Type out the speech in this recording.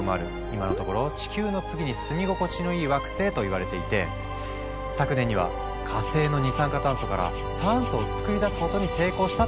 今のところ「地球の次に住み心地のいい惑星」といわれていて昨年には火星の二酸化炭素から酸素を作り出すことに成功したってニュースも。